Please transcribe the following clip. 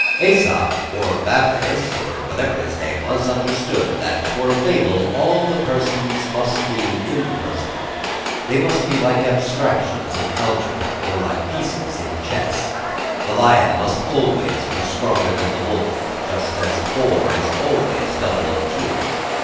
Æsop, or Babrius (or whatever his name was), understood that, for a fable, all the persons must be impersonal. They must be like abstractions in algebra, or like pieces in chess. The lion must always be stronger than the wolf, just as four is always double of two.